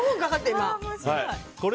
今。